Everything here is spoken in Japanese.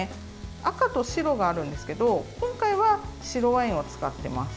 赤と白があるんですけど今回は白ワインを使ってます。